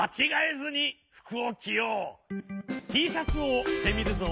Ｔシャツをきてみるぞ。